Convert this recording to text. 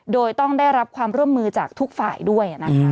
โดยต้องได้รับความร่วมมือจากทุกฝ่ายด้วยนะคะ